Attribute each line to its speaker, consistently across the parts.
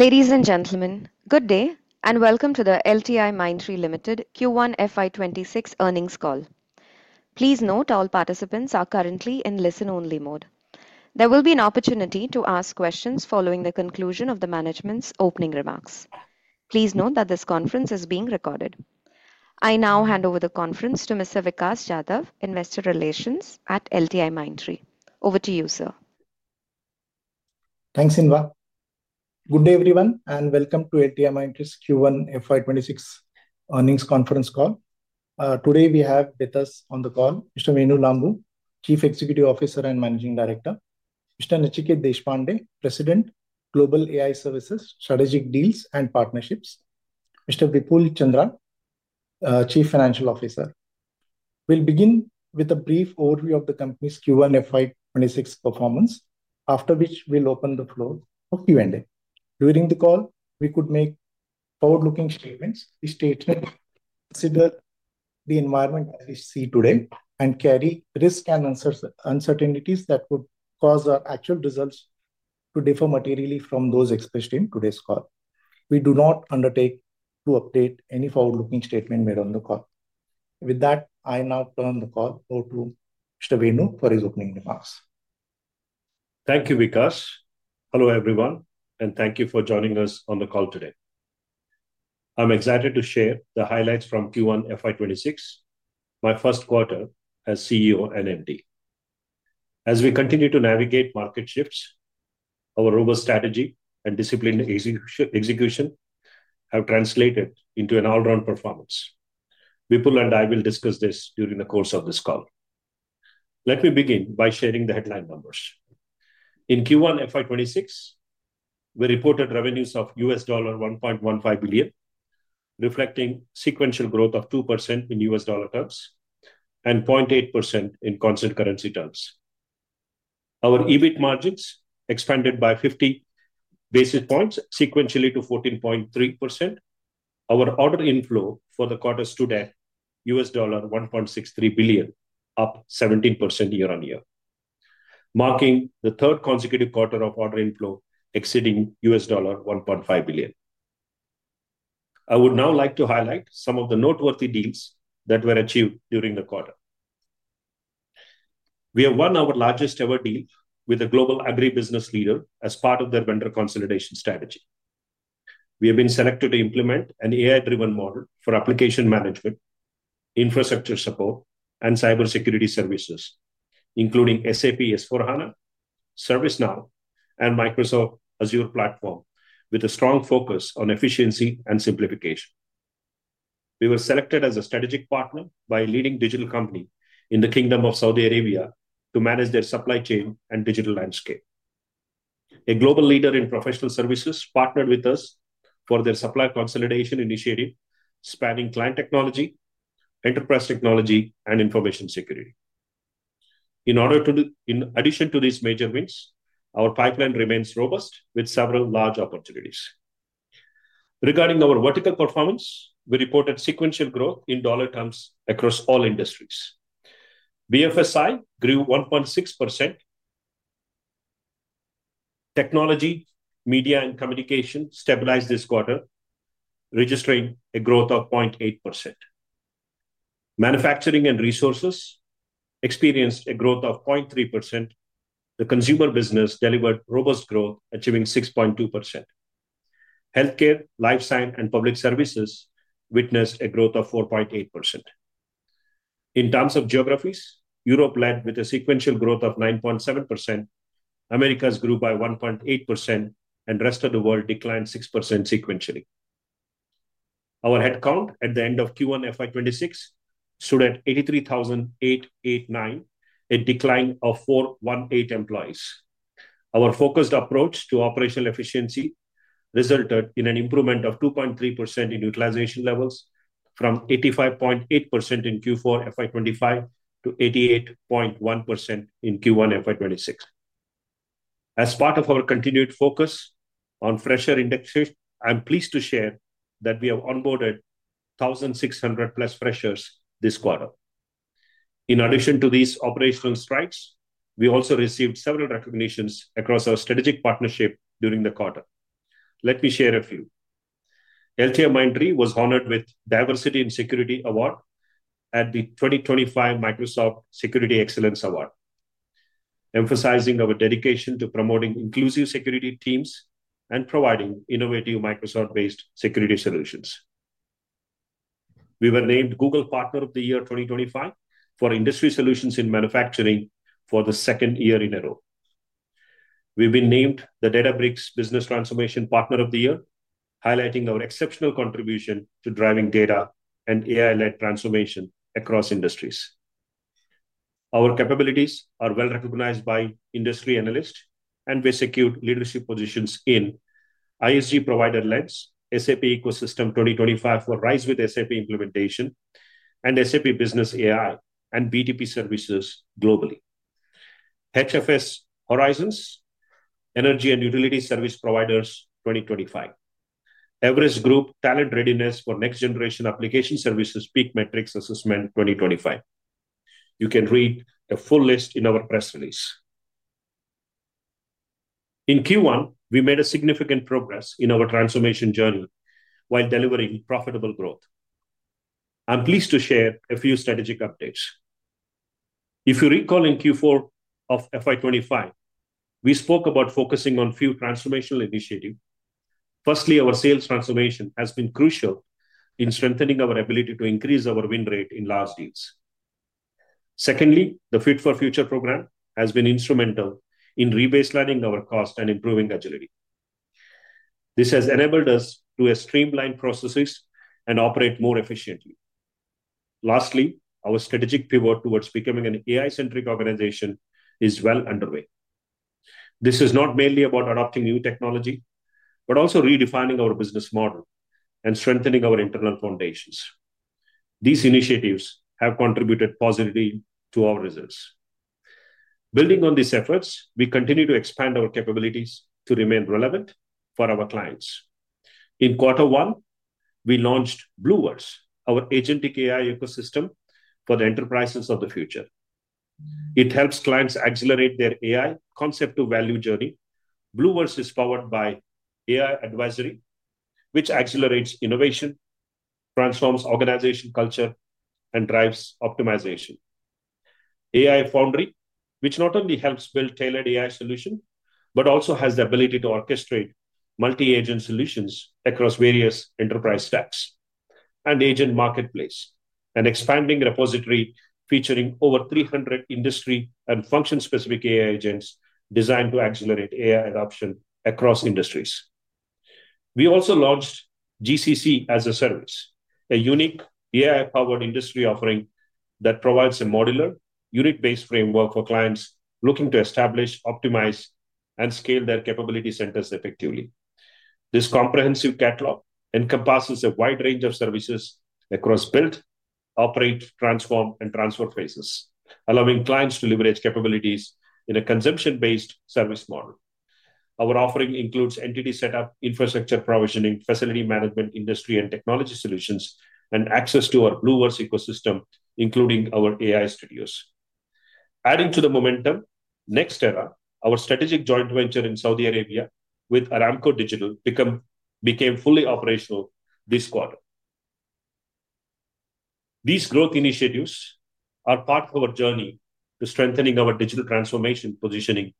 Speaker 1: Ladies and gentlemen, good day and welcome to the LTIMindtree Limited Q1 FY 2026 Earnings Call. Please note all participants are currently in listen-only mode. There will be an opportunity to ask questions following the conclusion of the management's opening remarks. Please note that this conference is being recorded. I now hand over the conference to Mr. Vikas Jadhav, Investor Relations at LTIMindtree. Over to you, sir.
Speaker 2: Thanks, Sinwar. Good day, everyone, and welcome to LTIMindtree's Q1 FY 2026 Earnings Conference Call. Today we have with us on the call Mr. Venu Lambu, Chief Executive Officer and Managing Director, Mr. Nachiket Deshpande, President, Global AI Services, Strategic Deals, and Partnerships, Mr. Vipul Chandra, Chief Financial Officer. We'll begin with a brief overview of the company's Q1 FY 2026 performance, after which we'll open the floor for Q&A. During the call, we could make forward-looking statements. We state that we consider the environment as we see today and carry risk and uncertainties that could cause our actual results to differ materially from those expressed in today's call. We do not undertake to update any forward-looking statement made on the call. With that, I now turn the call over to Mr. Venu for his opening remarks.
Speaker 3: Thank you, Vikas. Hello, everyone, and thank you for joining us on the call today. I'm excited to share the highlights from Q1 FY2026, my 1st quarter as CEO and MD. As we continue to navigate market shifts, our robust strategy and disciplined execution have translated into an all-round performance. Vipul and I will discuss this during the course of this call. Let me begin by sharing the headline numbers. In Q1 FY 2026, we reported revenues of $1.15 billion, reflecting sequential growth of 2% in USD terms and 0.8% in constant currency terms. Our EBIT margins expanded by 50 basis points, sequentially to 14.3%. Our order inflow for the quarter stood at $1.63 billion, up 17% year-on-year, marking the third consecutive quarter of order inflow exceeding $1.5 billion. I would now like to highlight some of the noteworthy deals that were achieved during the quarter. We have won our largest-ever deal with a global agribusiness leader as part of their vendor consolidation strategy. We have been selected to implement an AI-driven model for application management, infrastructure support, and cybersecurity services, including SAP S/4HANA, ServiceNow, and Microsoft Azure platform, with a strong focus on efficiency and simplification. We were selected as a strategic partner by a leading digital company in the Kingdom of Saudi Arabia to manage their supply chain and digital landscape. A global leader in professional services partnered with us for their supplier consolidation initiative, spanning client technology, enterprise technology, and information security. In addition to these major wins, our pipeline remains robust, with several large opportunities. Regarding our vertical performance, we reported sequential growth in dollar terms across all industries. BFSI grew 1.6%. Technology, media, and communication stabilized this quarter, registering a growth of 0.8%. Manufacturing and resources experienced a growth of 0.3%. The consumer business delivered robust growth, achieving 6.2%. Healthcare, life science, and public services witnessed a growth of 4.8%. In terms of geographies, Europe led with a sequential growth of 9.7%. Americas grew by 1.8%, and the rest of the world declined 6% sequentially. Our headcount at the end of Q1 FY2026 stood at 83,889, a decline of 418 employees. Our focused approach to operational efficiency resulted in an improvement of 2.3% in utilization levels, from 85.8% in Q4 FY2025 to 88.1% in Q1 FY2026. As part of our continued focus on fresher indexation, I'm pleased to share that we have onboarded 1,600+ freshers this quarter. In addition to these operational strides, we also received several recognitions across our strategic partnership during the quarter. Let me share a few. LTIMindtree was honored with the Diversity in Security award at the 2025 Microsoft Security Excellence Award, emphasizing our dedication to promoting inclusive security teams and providing innovative Microsoft-based security solutions. We were named Google Partner of the Year 2025 for industry solutions in manufacturing for the second year in a row. We've been named the Databricks Business Transformation Partner of the Year, highlighting our exceptional contribution to driving data and AI-led transformation across industries. Our capabilities are well recognized by industry analysts, and we secured leadership positions in ISG Provider Lens, SAP Ecosystem 2025 for RISE with SAP Implementation, and SAP Business AI and BTP Services Globally. HFS Horizons Energy and Utilities Service Providers 2025. Everest Group Talent Readiness for Next Generation Application Services PEAK Matrix Assessment 2025. You can read the full list in our press release. In Q1, we made significant progress in our transformation journey while delivering profitable growth. I'm pleased to share a few strategic updates. If you recall in Q4 of FY2025, we spoke about focusing on a few transformational initiatives. Firstly, our sales transformation has been crucial in strengthening our ability to increase our win rate in large deals. Secondly, the Fit for Future program has been instrumental in rebaselining our cost and improving agility. This has enabled us to streamline processes and operate more efficiently. Lastly, our strategic pivot towards becoming an AI-centric organization is well underway. This is not mainly about adopting new technology, but also redefining our business model and strengthening our internal foundations. These initiatives have contributed positively to our results. Building on these efforts, we continue to expand our capabilities to remain relevant for our clients. In quarter one, we launched BlueVerse, our agentic AI ecosystem for the enterprises of the future. It helps clients accelerate their AI concept-to-value journey. BlueVerse is powered by AI advisory, which accelerates innovation, transforms organizational culture, and drives optimization. AI Foundry, which not only helps build tailored AI solutions, but also has the ability to orchestrate multi-agent solutions across various enterprise stacks and agent marketplace, an expanding repository featuring over 300 industry and function-specific AI agents designed to accelerate AI adoption across industries. We also launched GCC as a Service, a unique AI-powered industry offering that provides a modular, unit-based framework for clients looking to establish, optimize, and scale their capability centers effectively. This comprehensive catalog encompasses a wide range of services across build, operate, transform, and transfer phases, allowing clients to leverage capabilities in a consumption-based service model. Our offering includes entity setup, infrastructure provisioning, facility management, industry and technology solutions, and access to our BlueVerse ecosystem, including our AI studios. Adding to the momentum, NextEra, our strategic joint venture in Saudi Arabia with Aramco Digital, became fully operational this quarter. These growth initiatives are part of our journey to strengthening our digital transformation positioning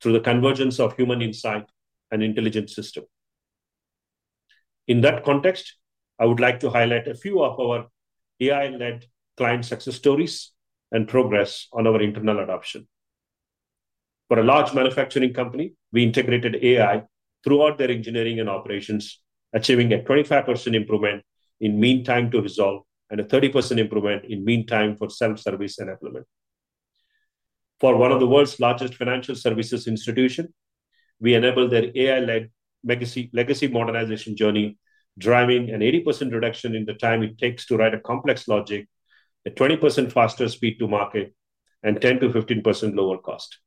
Speaker 3: through the convergence of human insight and intelligence systems. In that context, I would like to highlight a few of our AI-led client success stories and progress on our internal adoption. For a large manufacturing company, we integrated AI throughout their engineering and operations, achieving a 25% improvement in mean time to resolve and a 30% improvement in mean time for self-service and implementation. For one of the world's largest financial services institutions, we enabled their AI-led legacy modernization journey, driving an 80% reduction in the time it takes to write a complex logic, a 20% faster speed to market, and 10%-15% lower cost.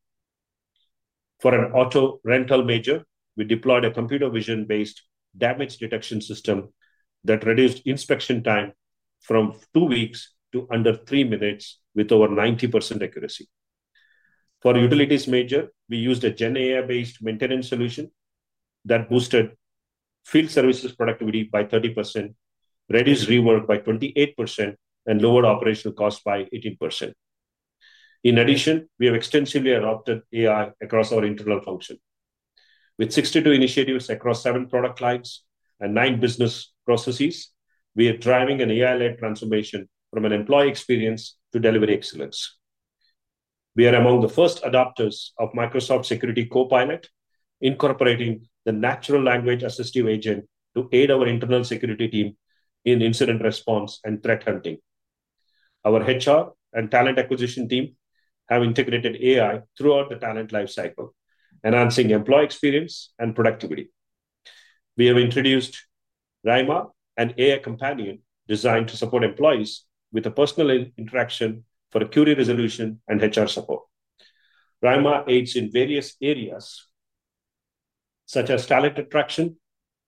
Speaker 3: For an auto rental major, we deployed a computer vision-based damage detection system that reduced inspection time from two weeks to under three minutes with over 90% accuracy. For a utilities major, we used a GenAI-based maintenance solution that boosted field services productivity by 30%, reduced rework by 28%, and lowered operational costs by 18%. In addition, we have extensively adopted AI across our internal function. With 62 initiatives across seven product lines and nine business processes, we are driving an AI-led transformation from an employee experience to delivery excellence. We are among the first adopters of Microsoft Security Copilot, incorporating the natural language assistive agent to aid our internal security team in incident response and threat hunting. Our HR and talent acquisition team have integrated AI throughout the talent lifecycle, enhancing employee experience and productivity. We have introduced Rhyma, an AI companion designed to support employees with a personal interaction for a query resolution and HR support. Rhyma aids in various areas. Such as talent attraction,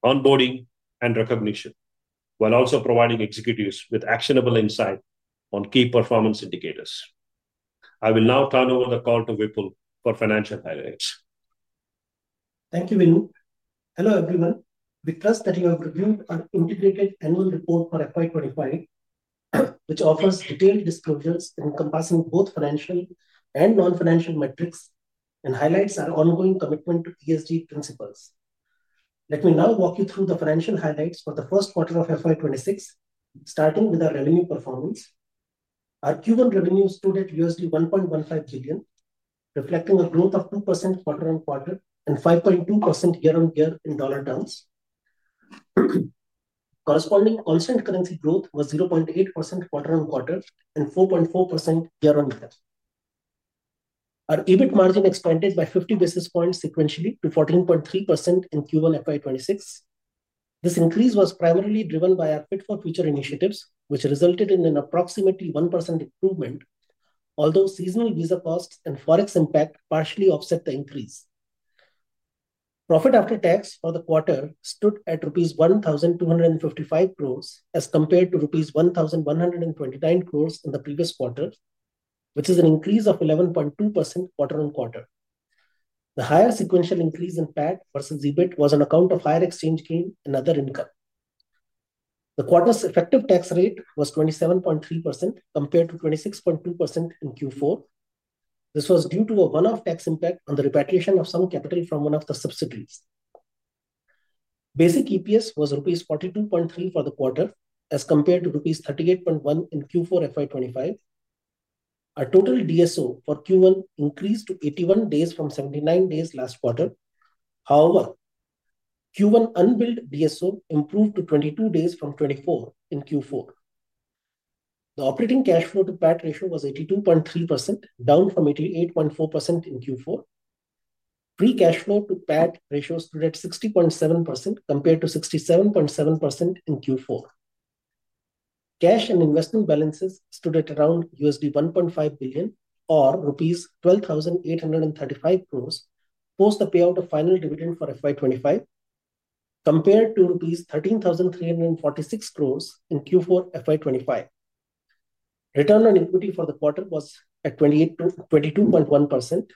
Speaker 3: onboarding, and recognition, while also providing executives with actionable insight on key performance indicators. I will now turn over the call to Vipul for financial highlights.
Speaker 4: Thank you, Venu. Hello, everyone. We trust that you have reviewed our integrated annual report for FY2025, which offers detailed disclosures encompassing both financial and non-financial metrics and highlights our ongoing commitment to ESG principles. Let me now walk you through the financial highlights for the 1st quarter of FY2026, starting with our revenue performance. Our Q1 revenues stood at $1.15 billion, reflecting a growth of 2% quarter-on-quarter and 5.2% year-on-year in dollar terms. Corresponding constant currency growth was 0.8% quarter-on-quarter and 4.4% year-on-year. Our EBIT margin expanded by 50 basis points sequentially to 14.3% in Q1 FY2026. This increase was primarily driven by our Fit for Future initiatives, which resulted in an approximately 1% improvement, although seasonal visa costs and Forex impact partially offset the increase. Profit after tax for the quarter stood at INR 1,255 crore as compared to INR 1,129 crore in the previous quarter, which is an increase of 11.2% quarter-on-quarter. The higher sequential increase in PAT versus EBIT was on account of higher exchange gain and other income. The quarter's effective tax rate was 27.3% compared to 26.2% in Q4. This was due to a one-off tax impact on the repatriation of some capital from one of the subsidiaries. Basic EPS was rupees 42.3 for the quarter as compared to rupees 38.1 in Q4 FY2025. Our total DSO for Q1 increased to 81 days from 79 days last quarter. However, Q1 unbilled DSO improved to 22 days from 24 in Q4. The operating cash flow-to-PAT ratio was 82`.3%, down from 88.4% in Q4. Free cash flow-to-PAT ratio stood at 60.7% compared to 67.7% in Q4. Cash and investment balances stood at around $1.5 billion, or rupees 12,835 crore, post the payout of final dividend for FY25. Compared to rupees 13,346 crore in Q4 FY2025. Return on equity for the quarter was at 22.1%.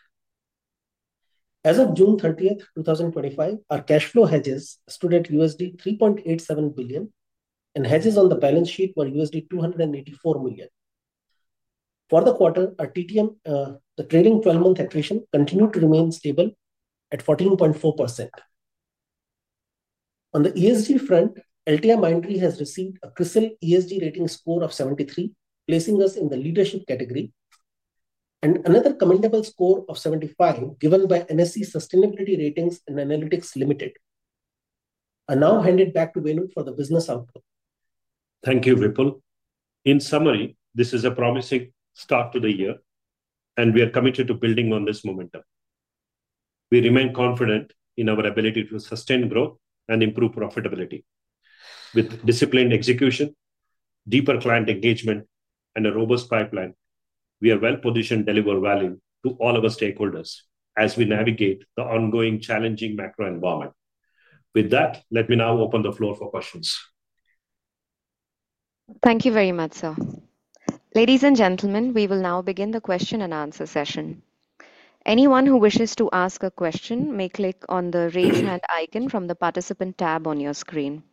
Speaker 4: As of June 30, 2025, our cash flow hedges stood at $3.87 billion, and hedges on the balance sheet were $284 million. For the quarter, our trailing 12-month attrition continued to remain stable at 14.4%. On the ESG front, LTIMindtree has received a CRISIL ESG rating score of 73, placing us in the leadership category, and another commendable score of 75 given by NSC Sustainability Ratings & Analytics Limited. I now hand it back to Venu for the business outlook.
Speaker 3: Thank you, Vipul. In summary, this is a promising start to the year, and we are committed to building on this momentum. We remain confident in our ability to sustain growth and improve profitability. With disciplined execution, deeper client engagement, and a robust pipeline, we are well-positioned to deliver value to all of our stakeholders as we navigate the ongoing challenging macro environment. With that, let me now open the floor for questions.
Speaker 1: Thank you very much, sir. Ladies and gentlemen, we will now begin the question and answer session. Anyone who wishes to ask a question may click on the raise hand icon from the participant tab on your screen.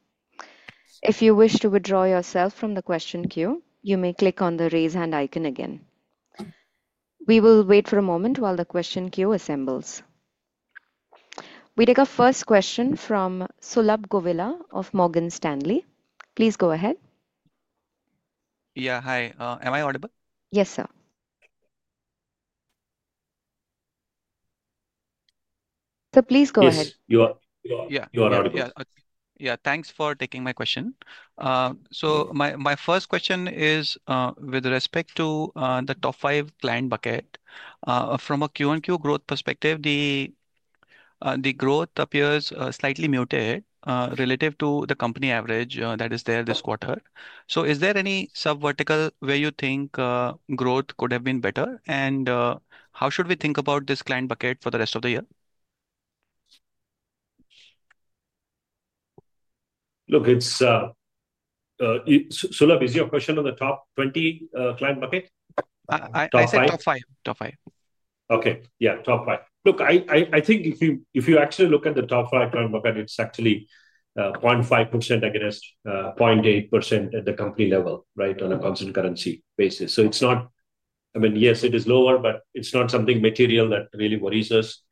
Speaker 1: If you wish to withdraw yourself from the question queue, you may click on the raise hand icon again. We will wait for a moment while the question queue assembles. We take our first question from Sulabh Govila of Morgan Stanley. Please go ahead.
Speaker 5: Yeah, hi. Am I audible?
Speaker 1: Yes, sir. So please go ahead.
Speaker 3: Yes, you are audible.
Speaker 5: Yeah, thanks for taking my question. So my first question is with respect to the top five client bucket. From a Q1 QoQ growth perspective, the growth appears slightly muted relative to the company average that is there this quarter. So is there any sub-vertical where you think growth could have been better? And how should we think about this client bucket for the rest of the year?
Speaker 3: Look. Sulabh, is your question on the top 20 client bucket?
Speaker 5: Top five.
Speaker 3: Okay, yeah, top five. Look, I think if you actually look at the top five client bucket, it's actually 0.5% against 0.8% at the company level, right, on a constant currency basis. So it's not, I mean, yes, it is lower, but it's not something material that really worries us.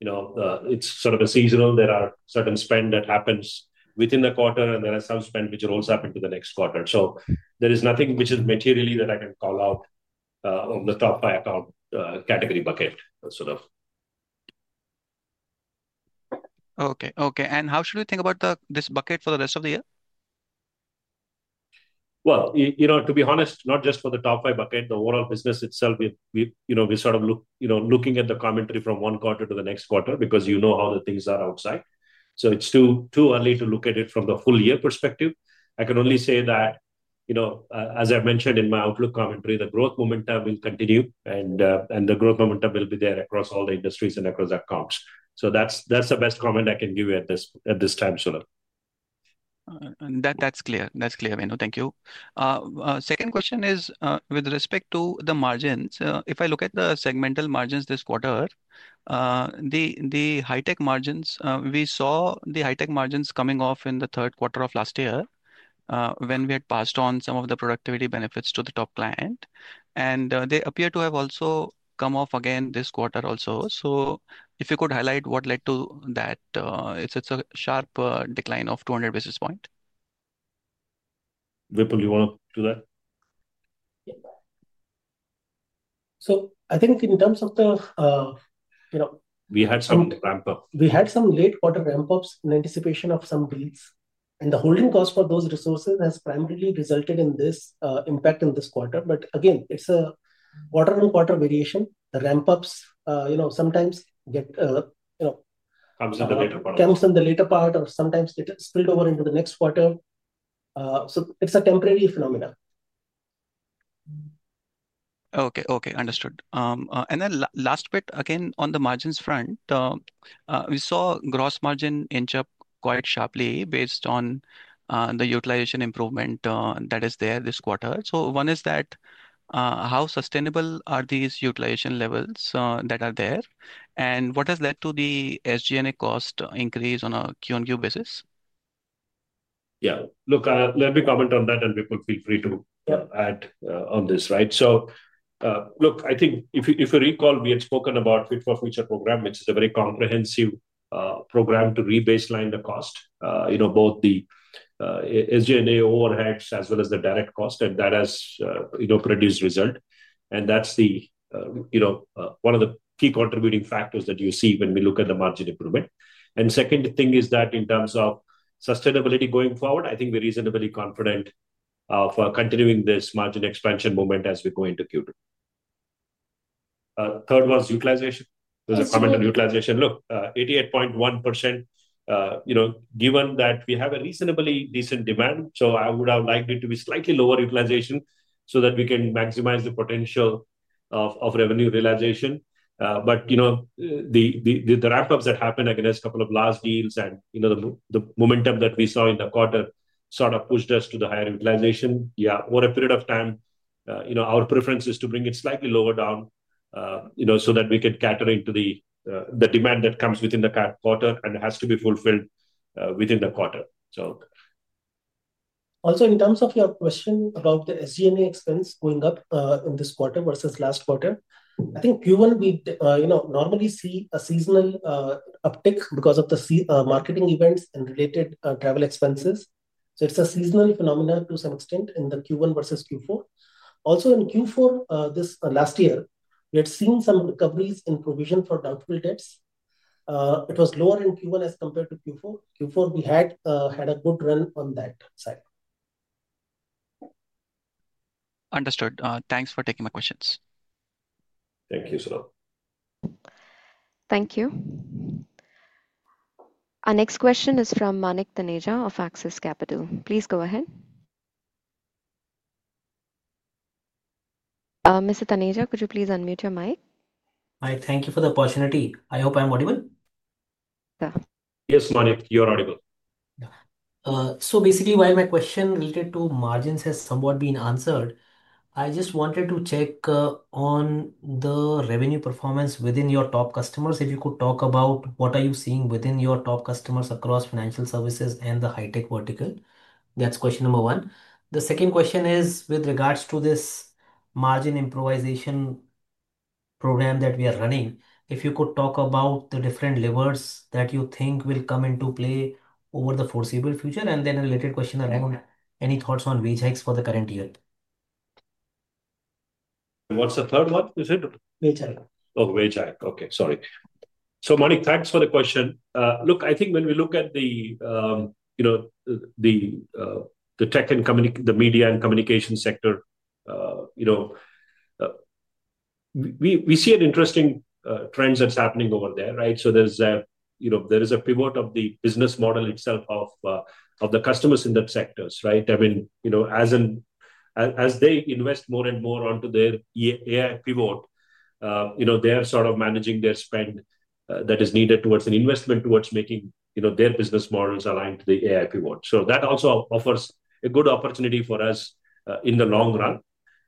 Speaker 3: It's sort of a seasonal. There are certain spend that happens within the quarter, and there are some spend which rolls up into the next quarter. So there is nothing which is materially that I can call out. Of the top five account category bucket, sort of.
Speaker 5: Okay, okay. And how should we think about this bucket for the rest of the year?
Speaker 3: Well, to be honest, not just for the top five bucket, the overall business itself, we're sort of looking at the commentary from one quarter to the next quarter because you know how the things are outside. So it's too early to look at it from the full year perspective. I can only say that. As I mentioned in my outlook commentary, the growth momentum will continue, and the growth momentum will be there across all the industries and across accounts. So that's the best comment I can give you at this time, Sulabh.
Speaker 5: That's clear. That's clear, Venu. Thank you. Second question is with respect to the margins. If I look at the segmental margins this quarter. The high-tech margins, we saw the high-tech margins coming off in the third quarter of last year. When we had passed on some of the productivity benefits to the top client. And they appear to have also come off again this quarter also. So if you could highlight what led to that, it's a sharp decline of 200 basis points.
Speaker 3: Vipul, you want to do that?
Speaker 4: Yeah. So I think in terms of the.
Speaker 3: We had some ramp-up.
Speaker 4: We had some late-quarter ramp-ups in anticipation of some deals, and the holding cost for those resources has primarily resulted in this impact in this quarter, but again, it's a quarter-on-quarter variation. The ramp-ups sometimes get.
Speaker 3: Comes in the later part.
Speaker 4: Comes in the later part, or sometimes it is spilled over into the next quarter. So it's a temporary phenomenon.
Speaker 5: Okay, okay, understood. And then last bit, again, on the margins front. We saw gross margin inch up quite sharply based on the utilization improvement that is there this quarter. So one is that. How sustainable are these utilization levels that are there? And what has led to the SG&A cost increase on a QoQ basis?
Speaker 3: Yeah, look, let me comment on that, and Vipul feel free to add on this, right? So, look, I think if you recall, we had spoken about Fit for Future program, which is a very comprehensive program to rebaseline the cost both the SG&A overheads as well as the direct cost, and that has produced results, and that's the one of the key contributing factors that you see when we look at the margin improvement, and second thing is that in terms of sustainability going forward, I think we're reasonably confident for continuing this margin expansion moment as we go into Q2. Third was utilization. There's a comment on utilization. Look, 88.1%. Given that we have a reasonably decent demand, so I would have liked it to be slightly lower utilization so that we can maximize the potential of revenue realization. But the ramp-ups that happened against a couple of last deals and the momentum that we saw in the quarter sort of pushed us to the higher utilization. Yeah, over a period of time, our preference is to bring it slightly lower down so that we can cater into the demand that comes within the quarter and has to be fulfilled within the quarter. So.
Speaker 4: Also, in terms of your question about the SG&A expense going up in this quarter versus last quarter, I think Q1 we normally see a seasonal uptick because of the marketing events and related travel expenses. So it's a seasonal phenomenon to some extent in the Q1 versus Q4. Also, in Q4 last year, we had seen some recoveries in provision for doubtful debts. It was lower in Q1 as compared to Q4. Q4 we had a good run on that side.
Speaker 5: Understood. Thanks for taking my questions.
Speaker 3: Thank you, Sulabh.
Speaker 1: Thank you. Our next question is from Manik Taneja of Axis Capital. Please go ahead. Mr. Taneja, could you please unmute your mic?
Speaker 6: Hi, thank you for the opportunity. I hope I'm audible.
Speaker 3: Yes, Manik, you're audible.
Speaker 6: So basically, while my question related to margins has somewhat been answered, I just wanted to check on the revenue performance within your top customers. If you could talk about what are you seeing within your top customers across financial services and the high-tech vertical. That's question number one. The second question is with regards to this margin improvement program that we are running, if you could talk about the different levers that you think will come into play over the foreseeable future. And then a related question around any thoughts on wage hikes for the current year.
Speaker 3: What's the third one? You said?
Speaker 6: Wage hike.
Speaker 3: Oh, wage hike. Okay, sorry. So Manik, thanks for the question. Look, I think when we look at the tech and the media and communication sector. We see an interesting trend that's happening over there, right? So there's a pivot of the business model itself of the customers in that sector, right? I mean, as they invest more and more onto their AI pivot. They're sort of managing their spend that is needed towards an investment towards making their business models aligned to the AI pivot. So that also offers a good opportunity for us in the long run.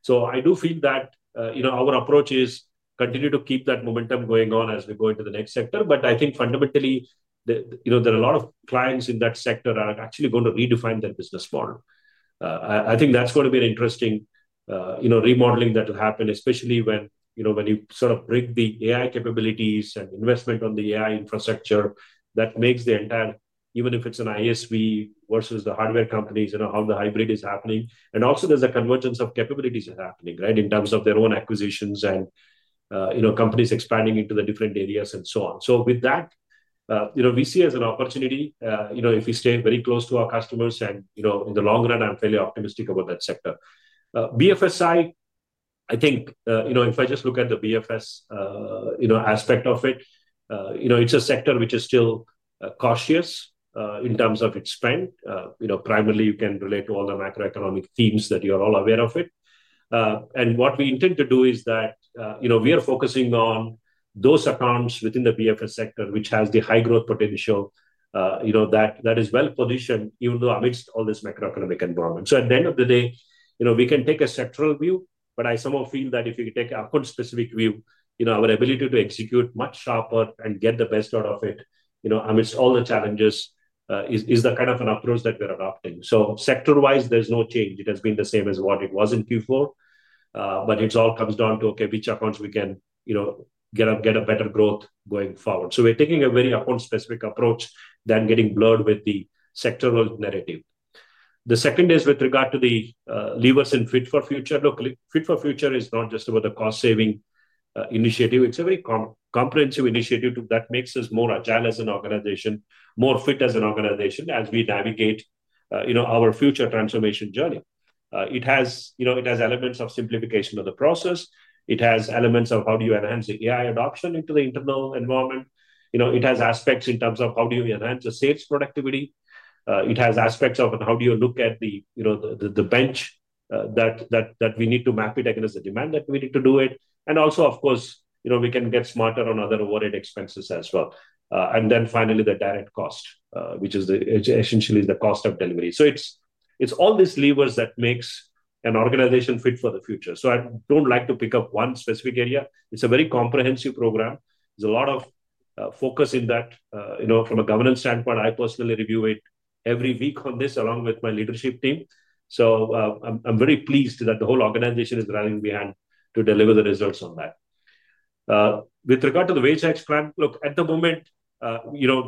Speaker 3: So I do feel that our approach is continue to keep that momentum going on as we go into the next sector. But I think fundamentally, there are a lot of clients in that sector that are actually going to redefine their business model. I think that's going to be an interesting remodeling that will happen, especially when you sort of break the AI capabilities and investment on the AI infrastructure that makes the entire, even if it's an ISV versus the hardware companies, how the hybrid is happening. And also, there's a convergence of capabilities that's happening, right, in terms of their own acquisitions and companies expanding into the different areas and so on. So with that we see as an opportunity if we stay very close to our customers. And in the long run, I'm fairly optimistic about that sector. BFSI, I think if I just look at the BFS aspect of it. It's a sector which is still cautious in terms of its spend. Primarily, you can relate to all the macroeconomic themes that you're all aware of. And what we intend to do is that we are focusing on those accounts within the BFS sector, which has the high growth potential. That is well positioned even though amidst all this macroeconomic environment. So at the end of the day, we can take a sectoral view. But I somehow feel that if you take a specific view, our ability to execute much sharper and get the best out of it amidst all the challenges is the kind of an approach that we're adopting. So sector-wise, there's no change. It has been the same as what it was in Q4. But it all comes down to, okay, which accounts we can get a better growth going forward. So we're taking a very account-specific approach than getting blurred with the sectoral narrative. The second is with regard to the levers in Fit for Future. Look, Fit for Future is not just about the cost-saving initiative. It's a very comprehensive initiative that makes us more agile as an organization, more fit as an organization as we navigate our future transformation journey. It has elements of simplification of the process. It has elements of how do you enhance the AI adoption into the internal environment. It has aspects in terms of how do you enhance the sales productivity. It has aspects of how do you look at the bench that we need to map it against the demand that we need to do it, and also, of course, we can get smarter on other overhead expenses as well, and then finally, the direct cost, which is essentially the cost of delivery, so it's all these levers that makes an organization Fit for Future, so I don't like to pick up one specific area. It's a very comprehensive program. There's a lot of focus in that. From a governance standpoint, I personally review it every week on this along with my leadership team, so I'm very pleased that the whole organization is running behind to deliver the results on that. With regard to the wage hikes plan, look, at the moment,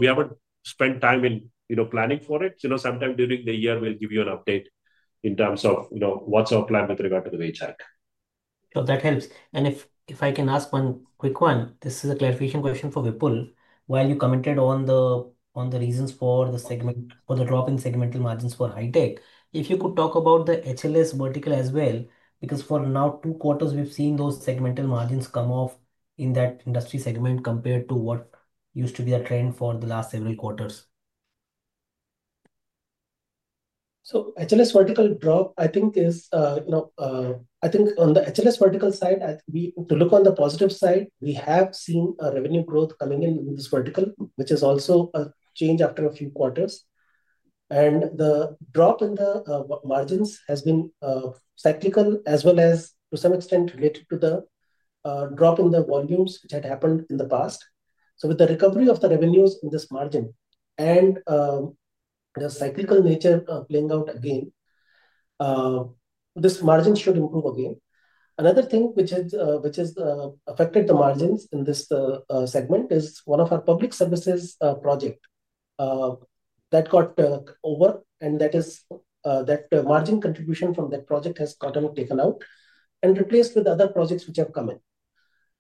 Speaker 3: we haven't spent time in planning for it. Sometime during the year, we'll give you an update in terms of what's our plan with regard to the wage hike.
Speaker 6: That helps, and if I can ask one quick one, this is a clarification question for Vipul. While you commented on the reasons for the drop in segmental margins for high tech, if you could talk about the HLS vertical as well, because for now, two quarters, we've seen those segmental margins come off in that industry segment compared to what used to be the trend for the last several quarters.
Speaker 4: So HLS vertical drop, I think, on the HLS vertical side, to look on the positive side, we have seen revenue growth coming in in this vertical, which is also a change after a few quarters. And the drop in the margins has been cyclical as well as to some extent related to the drop in the volumes that had happened in the past. So with the recovery of the revenues in this margin and the cyclical nature playing out again, this margin should improve again. Another thing which has affected the margins in this segment is one of our public services project that got over, and that margin contribution from that project has gotten taken out and replaced with other projects which have come in.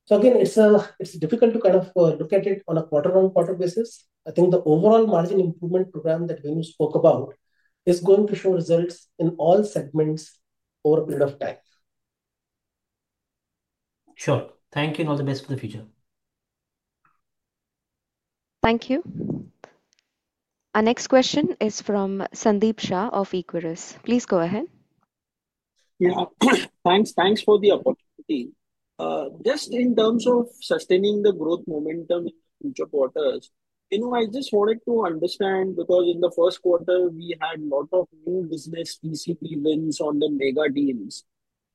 Speaker 4: So again, it's difficult to kind of look at it on a quarter-on-quarter basis. I think the overall margin improvement program that Venu spoke about is going to show results in all segments over a period of time.
Speaker 6: Sure. Thank you. All the best for the future.
Speaker 1: Thank you. Our next question is from Sandeep Shah of Equirus. Please go ahead.
Speaker 7: Yeah, thanks for the opportunity. Just in terms of sustaining the growth momentum in future quarters, I just wanted to understand because in the 1st quarter, we had a lot of new business PCP wins on the mega deals.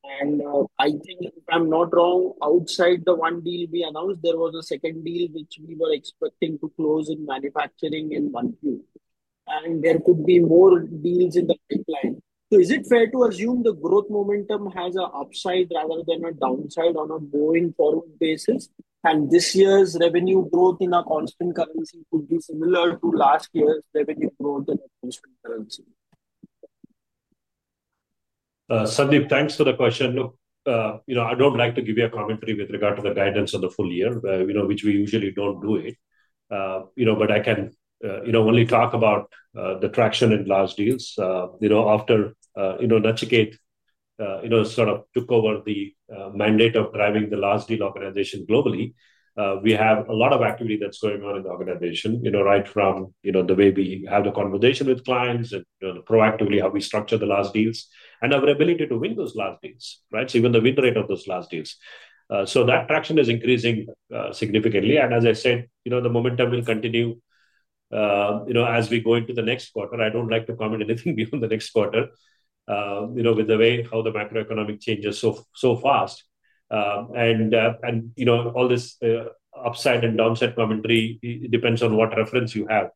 Speaker 7: And I think if I'm not wrong, outside the one deal we announced, there was a second deal which we were expecting to close in manufacturing in one year. And there could be more deals in the pipeline. So is it fair to assume the growth momentum has an upside rather than a downside on a going forward basis? And this year's revenue growth in our constant currency could be similar to last year's revenue growth in our constant currency?
Speaker 3: Sandeep, thanks for the question. Look, I don't like to give you a commentary with regard to the guidance of the full year, which we usually don't do, but I can only talk about the traction in large deals. After Nachiket sort of took over the mandate of driving the large deal organization globally, we have a lot of activity that's going on in the organization, right from the way we have the conversation with clients and proactively how we structure the large deals and our ability to win those large deals, right? So even the win rate of those large deals so that traction is increasing significantly, and as I said, the momentum will continue as we go into the next quarter. I don't like to comment anything beyond the next quarter, with the way how the macroeconomic changes so fast, and all this upside and downside commentary, it depends on what reference you have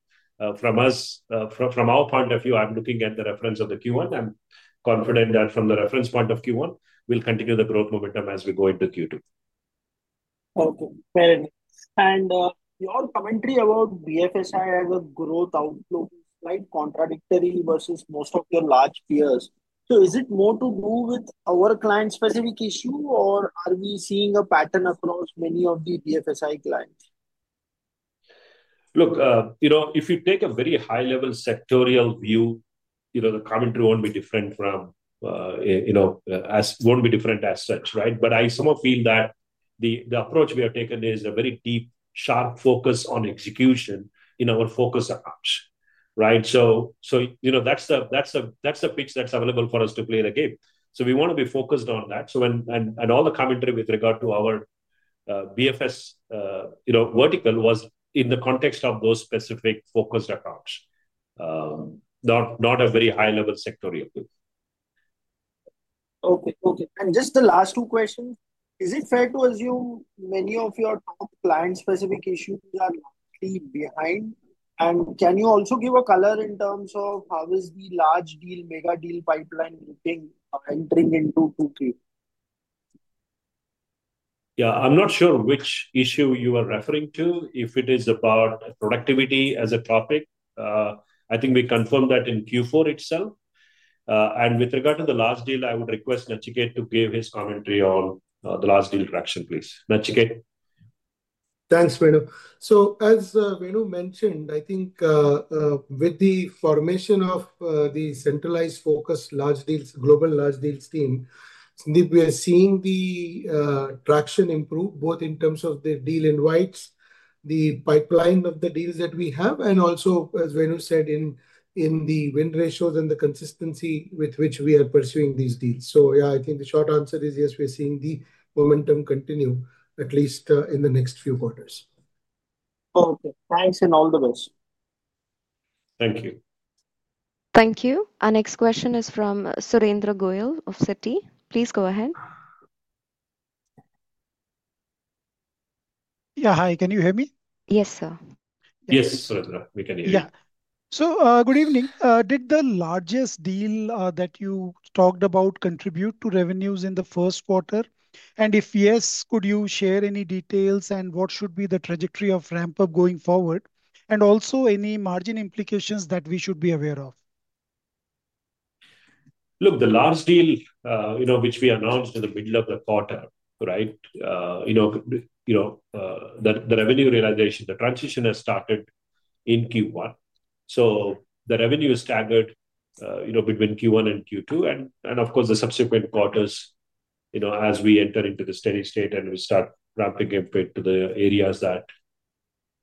Speaker 3: from us. From our point of view, I'm looking at the reference of the Q1. I'm confident that from the reference point of Q1, we'll continue the growth momentum as we go into Q2.
Speaker 7: Okay, very good. And your commentary about BFSI as a growth outlook is quite contradictory versus most of your large peers. So is it more to do with our client-specific issue, or are we seeing a pattern across many of the BFSI clients?
Speaker 3: Look, if you take a very high-level sectoral view, the commentary won't be different from. It won't be different as such, right? But I somehow feel that the approach we have taken is a very deep, sharp focus on execution in our focus accounts, right? So that's the pitch that's available for us to play the game. So we want to be focused on that. And all the commentary with regard to our BFS vertical was in the context of those specific focused accounts. Not a very high-level sectoral view.
Speaker 7: Okay, okay. And just the last two questions. Is it fair to assume many of your top client-specific issues are likely behind? And can you also give a color in terms of how is the large deal, mega deal pipeline entering into Q3?
Speaker 3: Yeah, I'm not sure which issue you are referring to. If it is about productivity as a topic, I think we confirmed that in Q4 itself. And with regard to the large deal, I would request Nachiket to give his commentary on the large deal traction, please. Nachiket.
Speaker 8: Thanks, Venu. So as Venu mentioned, I think. With the formation of the centralized focus global large deals team, Sandeep, we are seeing the traction improve both in terms of the deal invites, the pipeline of the deals that we have, and also, as Venu said, in the win ratios and the consistency with which we are pursuing these deals. So yeah, I think the short answer is yes, we're seeing the momentum continue, at least in the next few quarters.
Speaker 7: Okay, thanks and all the best.
Speaker 3: Thank you.
Speaker 1: Thank you. Our next question is from Surendra Goyal of Citi. Please go ahead.
Speaker 9: Yeah, hi. Can you hear me?
Speaker 1: Yes, sir.
Speaker 3: Yes, Surendra, we can hear you.
Speaker 9: Yeah. So good evening. Did the largest deal that you talked about contribute to revenues in the 1st quarter? And if yes, could you share any details and what should be the trajectory of ramp-up going forward? And also, any margin implications that we should be aware of?
Speaker 3: Look, the large deal which we announced in the middle of the quarter, right? The revenue realization, the transition has started in Q1. So the revenue is staggered between Q1 and Q2. And of course, the subsequent quarters, as we enter into the steady state and we start ramping up into the areas that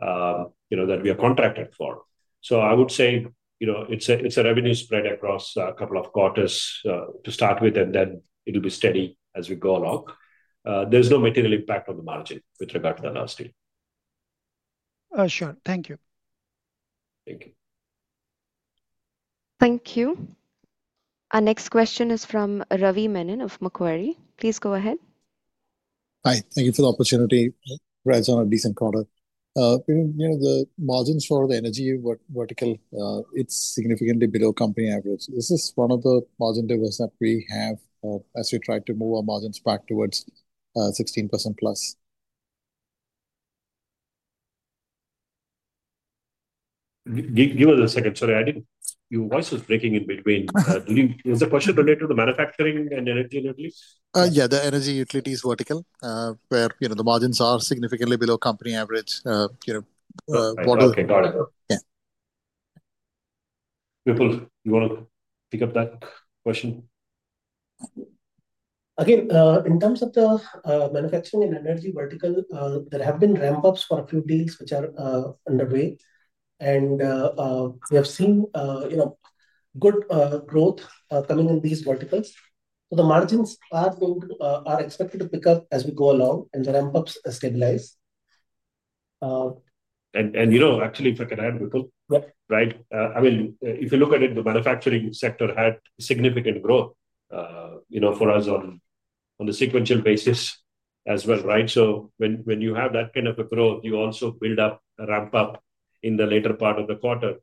Speaker 3: we are contracted for. So I would say it's a revenue spread across a couple of quarters to start with, and then it'll be steady as we go along. There's no material impact on the margin with regard to the last deal.
Speaker 9: Sure. Thank you.
Speaker 3: Thank you.
Speaker 1: Thank you. Our next question is from Ravi Menon of Macquarie. Please go ahead.
Speaker 10: Hi. Thank you for the opportunity. Right on a decent quarter. The margins for the energy vertical, it's significantly below company average. This is one of the margin drivers that we have as we try to move our margins back towards 16%+.
Speaker 3: Give us a second. Sorry, your voice was breaking in between. Is the question related to the manufacturing and energy utilities?
Speaker 10: Yeah, the energy utilities vertical, where the margins are significantly below company average.
Speaker 3: Okay, got it.
Speaker 10: Yeah.
Speaker 3: Vipul, you want to pick up that question?
Speaker 4: Again, in terms of the manufacturing and energy vertical, there have been ramp-ups for a few deals which are underway. And we have seen good growth coming in these verticals. So the margins are expected to pick up as we go along and the ramp-ups stabilize.
Speaker 3: And actually, if I can add, Vipul, right? I mean, if you look at it, the manufacturing sector had significant growth. For us on a sequential basis as well, right? So when you have that kind of a growth, you also build up a ramp-up in the later part of the quarter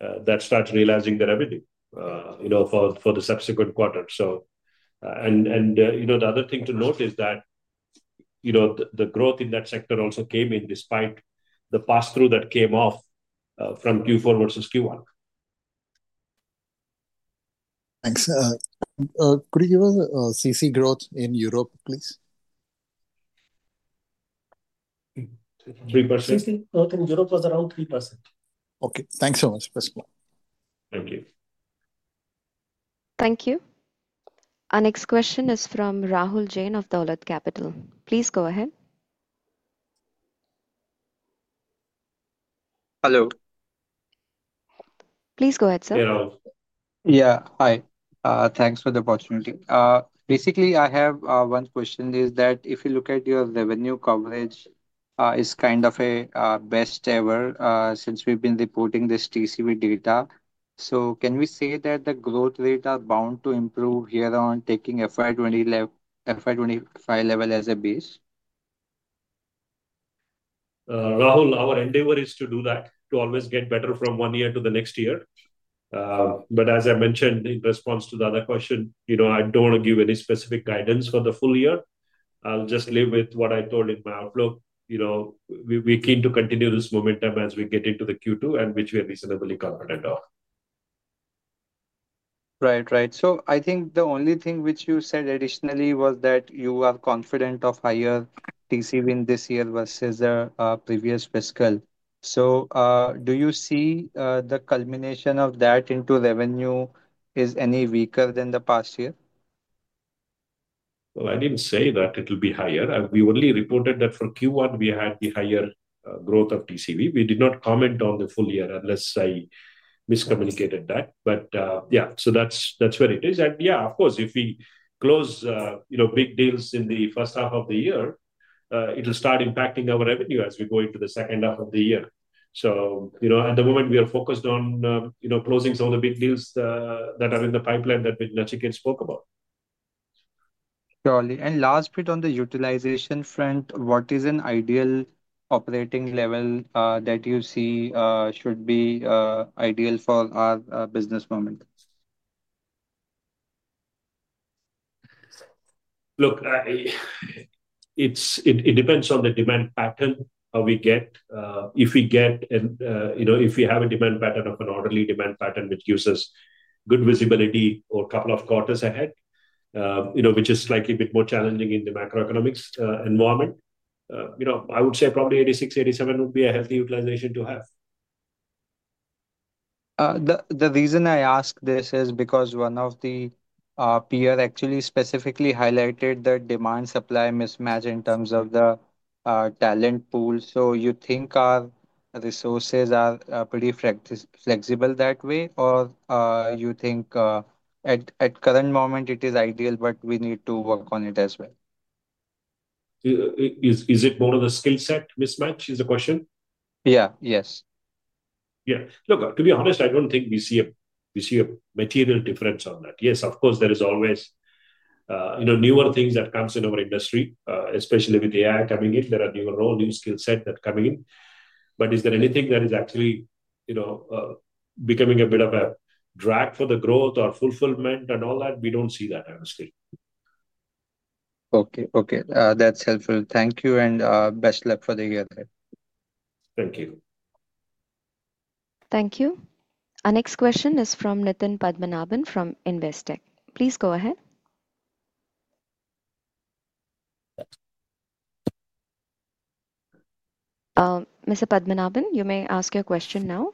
Speaker 3: that starts realizing the revenue for the subsequent quarter. And the other thing to note is that. The growth in that sector also came in despite the pass-through that came off from Q4 versus Q1.
Speaker 10: Thanks. Could you give us CC growth in Europe, please?
Speaker 3: 3%.
Speaker 4: CC growth in Europe was around 3%.
Speaker 10: Okay. Thanks so much.
Speaker 3: Thank you.
Speaker 1: Thank you. Our next question is from Rahul Jain of Dolat Capital. Please go ahead.
Speaker 11: Hello.
Speaker 1: Please go ahead, sir.
Speaker 11: Yeah, hi. Thanks for the opportunity. Basically, I have one question. Is that if you look at your revenue coverage, it's kind of a best ever since we've been reporting this TCV data. So can we say that the growth rate are bound to improve here on taking FY 2025 level as a base?
Speaker 3: Rahul, our endeavor is to do that, to always get better from one year to the next year. But as I mentioned in response to the other question, I don't want to give any specific guidance for the full year. I'll just live with what I told in my outlook. We're keen to continue this momentum as we get into the Q2, which we are reasonably confident of.
Speaker 11: Right, right. So I think the only thing which you said additionally was that you are confident of higher TCV in this year versus the previous fiscal. So do you see the culmination of that into revenue is any weaker than the past year?
Speaker 3: I didn't say that it will be higher. We only reported that for Q1, we had the higher growth of TCV. We did not comment on the full year unless I miscommunicated that. Yeah, so that's where it is. Yeah, of course, if we close big deals in the first half of the year, it will start impacting our revenue as we go into the second half of the year. At the moment, we are focused on closing some of the big deals that are in the pipeline that Nachiket spoke about.
Speaker 11: Surely. And last bit on the utilization front, what is an ideal operating level that you see should be ideal for our business moment?
Speaker 3: Look. It depends on the demand pattern we get. If we get, and if we have a demand pattern of an orderly demand pattern which gives us good visibility or a couple of quarters ahead, which is slightly a bit more challenging in the macroeconomic environment, I would say probably 86-87 would be a healthy utilization to have.
Speaker 11: The reason I ask this is because one of the peers actually specifically highlighted the demand-supply mismatch in terms of the talent pool. So you think our resources are pretty flexible that way, or you think at the current moment it is ideal, but we need to work on it as well?
Speaker 3: Is it more of the skill set mismatch is the question?
Speaker 11: Yeah, yes.
Speaker 3: Yeah. Look, to be honest, I don't think we see a material difference on that. Yes, of course, there is always newer things that come in our industry, especially with AI coming in. There are newer roles, new skill sets that are coming in. But is there anything that is actually becoming a bit of a drag for the growth or fulfillment and all that? We don't see that, honestly.
Speaker 11: Okay, okay. That's helpful. Thank you. And best luck for the year.
Speaker 3: Thank you.
Speaker 1: Thank you. Our next question is from Nitin Padmanabhan from Investec. Please go ahead. Mr. Padmanabhan, you may ask your question now.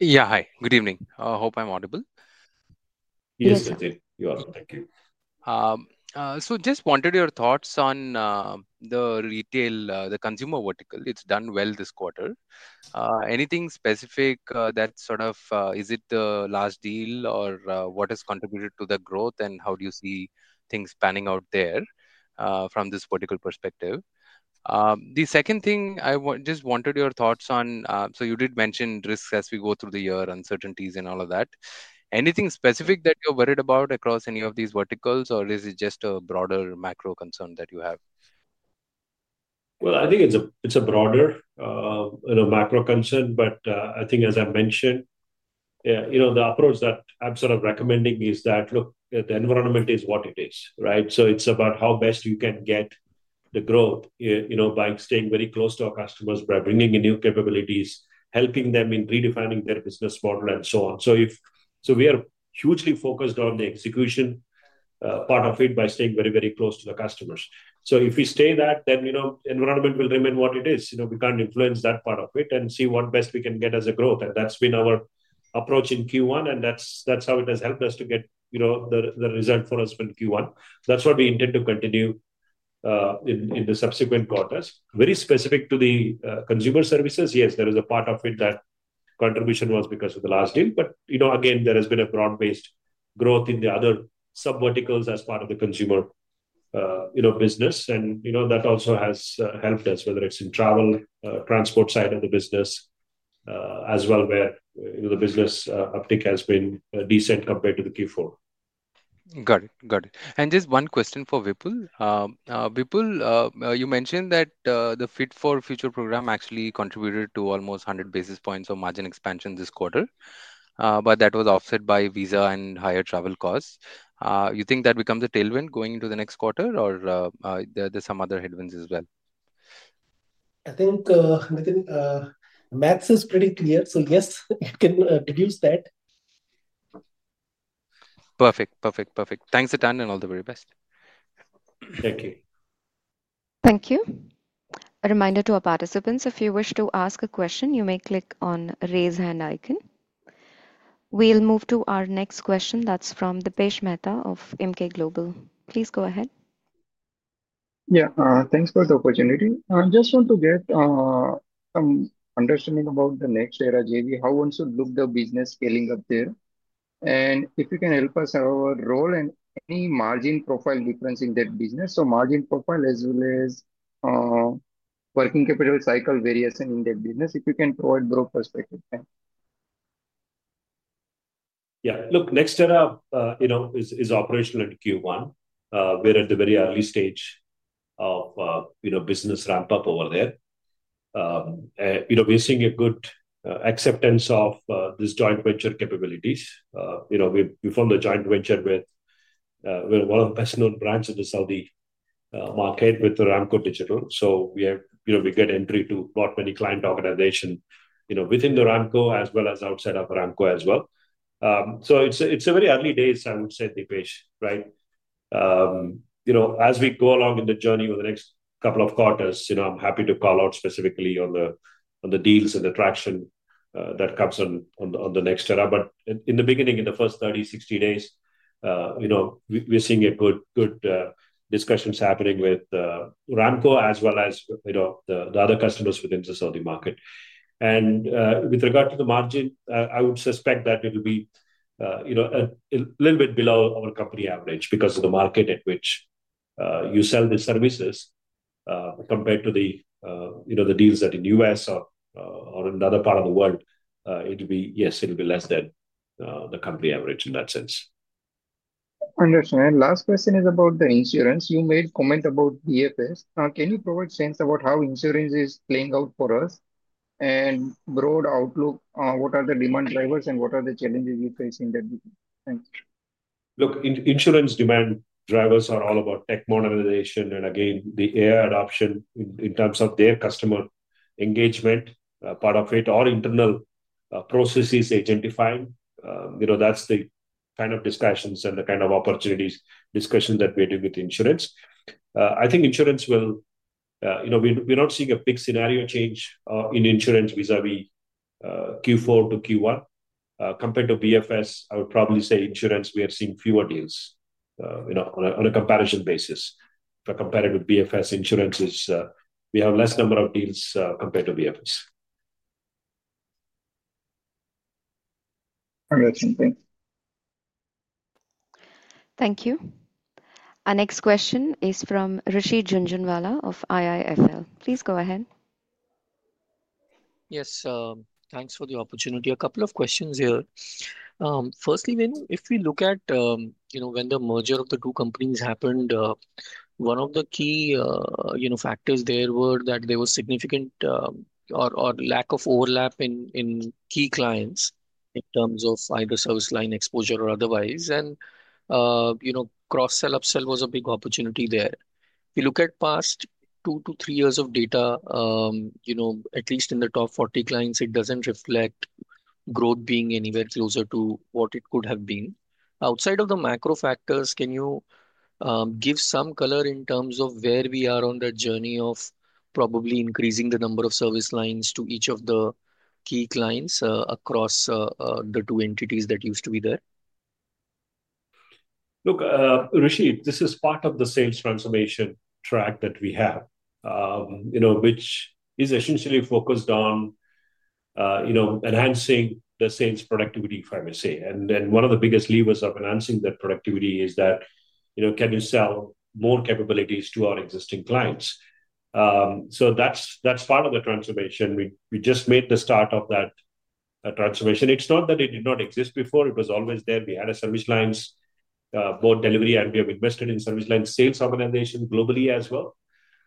Speaker 12: Yeah, hi. Good evening. I hope I'm audible.
Speaker 3: Yes, you are. Thank you.
Speaker 12: So just wanted your thoughts on the retail, the consumer vertical. It's done well this quarter. Anything specific that sort of is it the last deal or what has contributed to the growth and how do you see things panning out there from this vertical perspective? The second thing, I just wanted your thoughts on, so you did mention risks as we go through the year, uncertainties and all of that. Anything specific that you're worried about across any of these verticals, or is it just a broader macro concern that you have?
Speaker 3: I think it's a broader macro concern, but I think, as I mentioned, the approach that I'm sort of recommending is that, look, the environment is what it is, right? So it's about how best you can get the growth by staying very close to our customers, by bringing in new capabilities, helping them in redefining their business model and so on. So we are hugely focused on the execution part of it by staying very, very close to the customers. So if we stay that, then the environment will remain what it is. We can't influence that part of it and see what best we can get as a growth. And that's been our approach in Q1, and that's how it has helped us to get the result for us in Q1. That's what we intend to continue in the subsequent quarters. Very specific to the consumer services, yes, there is a part of it that contribution was because of the last deal. But again, there has been a broad-based growth in the other sub-verticals as part of the consumer business. And that also has helped us, whether it's in travel, transport side of the business as well, where the business uptick has been decent compared to the Q4.
Speaker 12: Got it. Got it. And just one question for Vipul. Vipul, you mentioned that the Fit for Future program actually contributed to almost 100 basis points of margin expansion this quarter, but that was offset by visa and higher travel costs. You think that becomes a tailwind going into the next quarter, or are there some other headwinds as well?
Speaker 4: I think max is pretty clear, so yes, you can deduce that.
Speaker 12: Perfect, perfect, perfect. Thanks a ton and all the very best.
Speaker 3: Thank you.
Speaker 1: Thank you. A reminder to our participants, if you wish to ask a question, you may click on the raise hand icon. We'll move to our next question. That's from Dipesh Mehta of Emkay Global. Please go ahead.
Speaker 13: Yeah, thanks for the opportunity. I just want to get some understanding about the NextEra JV. How once you look at the business scaling up there, and if you can help us have a role in any margin profile difference in that business. So margin profile as well as working capital cycle variation in that business, if you can provide broad perspective.
Speaker 3: Yeah. Look, NextEra is operational at Q1. We're at the very early stage of business ramp-up over there. We're seeing a good acceptance of these joint venture capabilities. We formed a joint venture with one of the best-known brands in the Saudi market with Aramco Digital. So we get entry to not many client organizations within Aramco as well as outside of Aramco as well. So it's a very early days, I would say, Dipesh, right? As we go along in the journey over the next couple of quarters, I'm happy to call out specifically on the deals and the traction that comes on NextEra. But in the beginning, in the first 30, 60 days, we're seeing good discussions happening with Aramco as well as the other customers within the Saudi market. And with regard to the margin, I would suspect that it will be a little bit below our company average because of the market at which you sell the services. Compared to the deals that in the U.S. or another part of the world, it will be, yes, it will be less than the company average in that sense.
Speaker 13: Understood. And last question is about the insurance. You made a comment about BFS. Can you provide a sense about how insurance is playing out for us? And broad outlook, what are the demand drivers and what are the challenges you face in that?
Speaker 3: Look, insurance demand drivers are all about tech modernization and, again, the AI adoption in terms of their customer engagement part of it or internal processes identifying. That's the kind of discussions and the kind of opportunities discussion that we do with insurance. I think insurance will. We're not seeing a big scenario change in insurance vis-à-vis Q4-Q1. Compared to BFS, I would probably say insurance, we are seeing fewer deals. On a comparison basis. Compared with BFS, insurance is we have a less number of deals compared to BFS.
Speaker 13: Understood. Thank you.
Speaker 1: Thank you. Our next question is from Rishi Jhunjhunwala of IIFL. Please go ahead.
Speaker 14: Yes, thanks for the opportunity. A couple of questions here. Firstly, if we look at when the merger of the two companies happened, one of the key factors there were that there was significant or lack of overlap in key clients in terms of either service line exposure or otherwise. And cross-sell upsell was a big opportunity there. If you look at past two to three years of data, at least in the top 40 clients, it doesn't reflect growth being anywhere closer to what it could have been. Outside of the macro factors, can you give some color in terms of where we are on the journey of probably increasing the number of service lines to each of the key clients across the two entities that used to be there?
Speaker 3: Look, Rishi, this is part of the sales transformation track that we have, which is essentially focused on enhancing the sales productivity, if I may say. And then one of the biggest levers of enhancing that productivity is that: can you sell more capabilities to our existing clients? So that's part of the transformation. We just made the start of that transformation. It's not that it did not exist before. It was always there. We had a service lines. Both delivery and we have invested in service line sales organization globally as well.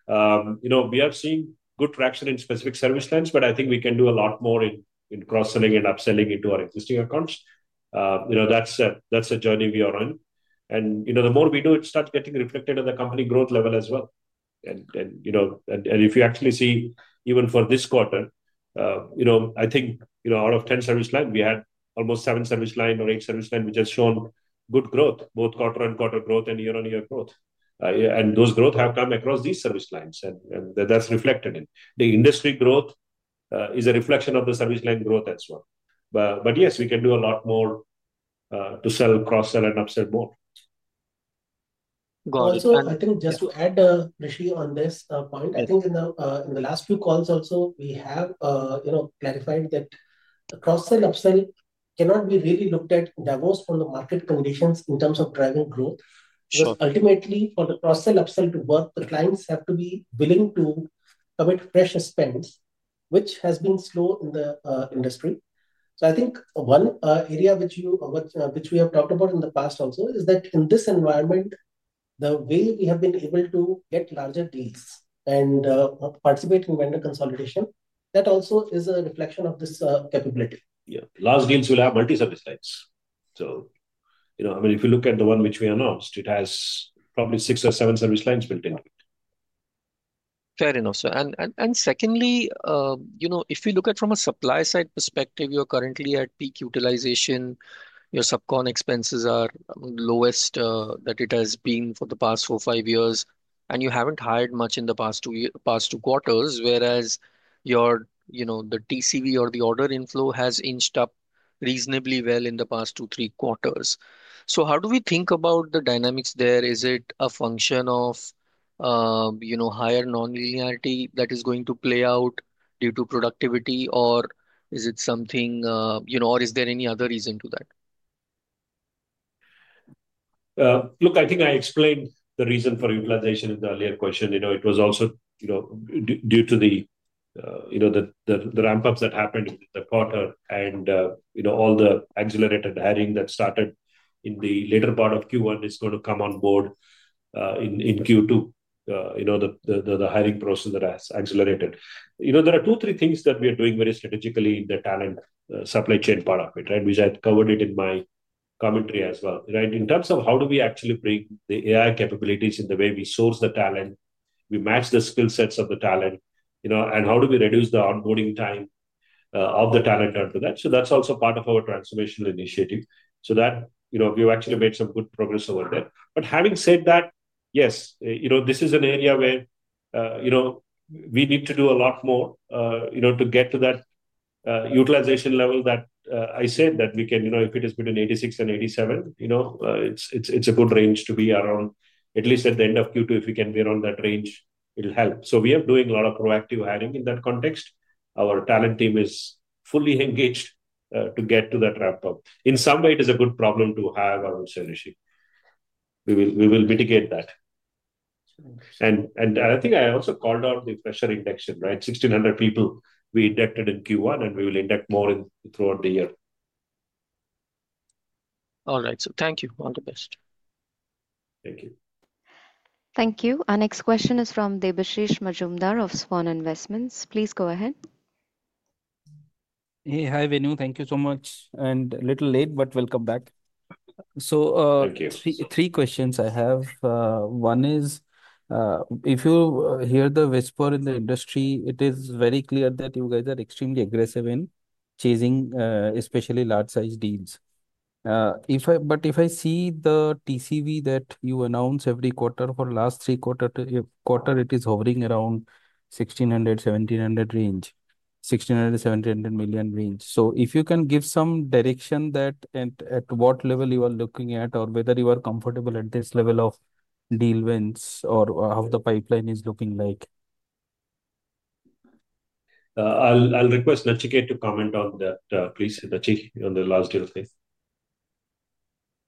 Speaker 3: We are seeing good traction in specific service lines, but I think we can do a lot more in cross-selling and upselling into our existing accounts. That's a journey we are on, and the more we do, it starts getting reflected at the company growth level as well. If you actually see, even for this quarter, I think out of 10 service lines, we had almost seven service lines or eight service lines which has shown good growth, both quarter-on-quarter growth and year-on-year growth. And those growth have come across these service lines, and that's reflected in the industry growth. It's a reflection of the service line growth as well, but yes, we can do a lot more to sell, cross-sell, and upsell more.
Speaker 4: Got it. And I think just to add, Rishi, on this point, I think in the last few calls also, we have clarified that cross-sell upsell cannot be really looked at divorced from the market conditions in terms of driving growth. Ultimately, for the cross-sell upsell to work, the clients have to be willing to commit fresh spends, which has been slow in the industry. So I think one area which we have talked about in the past also is that in this environment, the way we have been able to get larger deals and participate in vendor consolidation, that also is a reflection of this capability.
Speaker 3: Yeah. Last deals will have multi-service lines. So, I mean, if you look at the one which we announced, it has probably six or seven service lines built into it.
Speaker 14: Fair enough, sir. And secondly. If you look at from a supply side perspective, you're currently at peak utilization. Your subcon expenses are lowest that it has been for the past four or five years. And you haven't hired much in the past two quarters, whereas the TCV or the order inflow has inched up reasonably well in the past two, three quarters. So how do we think about the dynamics there? Is it a function of higher non-linearity that is going to play out due to productivity, or is it something, or is there any other reason to that?
Speaker 3: Look, I think I explained the reason for utilization in the earlier question. It was also due to the ramp-ups that happened in the quarter and all the accelerated hiring that started in the later part of Q1 is going to come on board in Q2. The hiring process that has accelerated. There are two, three things that we are doing very strategically in the talent supply chain part of it, right, which I covered in my commentary as well, right? In terms of how do we actually bring the AI capabilities in the way we source the talent, we match the skill sets of the talent, and how do we reduce the onboarding time of the talent under that, so that's also part of our transformational initiative. So we've actually made some good progress over there, but having said that, yes, this is an area where we need to do a lot more to get to that utilization level that I said that we can, if it has been in 86% and 87%. It's a good range to be around, at least at the end of Q2, if we can be around that range, it'll help, so we are doing a lot of proactive hiring in that context. Our talent team is fully engaged to get to that ramp-up. In some way, it is a good problem to have, I would say, Rishi. We will mitigate that, and I think I also called out the pressure indexing, right? 1,600 people we injected in Q1, and we will inject more throughout the year.
Speaker 14: All right. So thank you. All the best.
Speaker 3: Thank you.
Speaker 1: Thank you. Our next question is from Debashish Mazumdar of SVAN Investments. Please go ahead.
Speaker 15: Hey, hi Venu. Thank you so much. And a little late, but we'll come back. So.
Speaker 3: Thank you.
Speaker 15: Three questions I have. One is. If you hear the whisper in the industry, it is very clear that you guys are extremely aggressive in chasing, especially large-sized deals. But if I see the TCV that you announce every quarter for last three quarters, it is hovering around 1,600-1,700 range, 1,600-1,700 million range. So if you can give some direction that at what level you are looking at or whether you are comfortable at this level of deal wins or how the pipeline is looking like.
Speaker 3: I'll request Nachiket to comment on that, please, Nachi, on the last deal phase.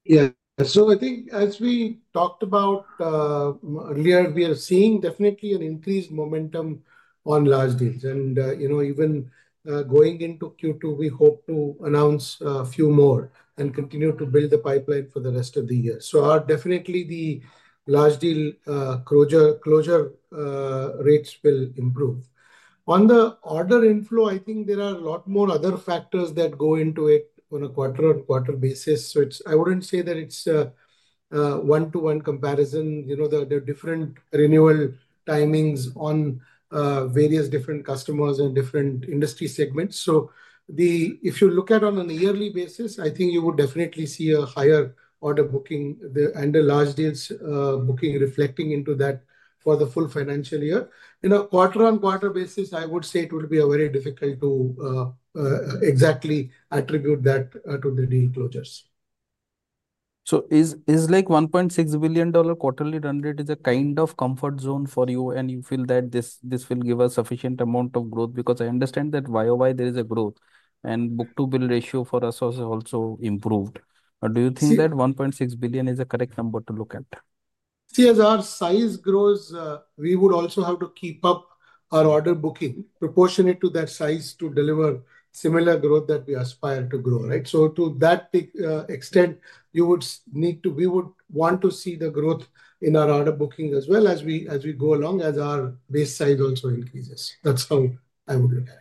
Speaker 8: Yeah. So I think, as we talked about earlier, we are seeing definitely an increased momentum on large deals, and even going into Q2, we hope to announce a few more and continue to build the pipeline for the rest of the year. So, definitely, the large deal closure rates will improve. On the order inflow, I think there are a lot more other factors that go into it on a quarter-on-quarter basis. So I wouldn't say that it's a one-to-one comparison. There are different renewal timings on various different customers and different industry segments. So if you look at it on a yearly basis, I think you would definitely see a higher order booking and a large deals booking reflecting into that for the full financial year. On a quarter-on-quarter basis, I would say it would be very difficult to exactly attribute that to the deal closures.
Speaker 15: So, is like $1.6 billion quarterly run rate a kind of comfort zone for you, and you feel that this will give a sufficient amount of growth because I understand that YoY there is a growth and book-to-bill ratio for us also improved. Do you think that $1.6 billion is a correct number to look at?
Speaker 8: See, as our size grows, we would also have to keep up our order booking proportionate to that size to deliver similar growth that we aspire to grow, right? So to that extent, you would need to, we would want to see the growth in our order booking as well as we go along as our base size also increases. That's how I would look at it.